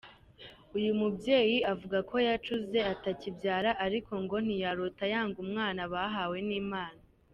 Uyu mubyeyi avuga ko yacuze atakibyara, ariko ngo ntiyarota yanga umwana bahawe n’Imana.